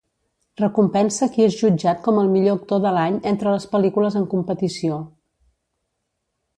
Recompensa qui és jutjat com el millor actor de l'any entre les pel·lícules en competició.